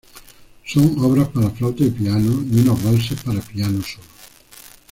Son obras para flauta y piano y unos valses para piano solo.